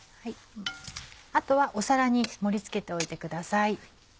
あとは皿に盛り付けておいてください。